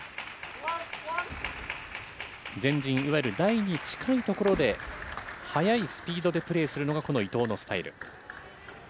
前陣、いわゆる台に近い所で、速いスピードでプレーするのが、この伊藤のスタイル。